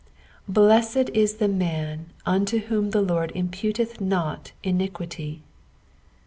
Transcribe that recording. Bletted it th« man vnlc whom th« Lord impuUth not iniquity.